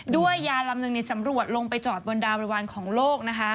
ยาลำหนึ่งในสำรวจลงไปจอดบนดาวบริวารของโลกนะคะ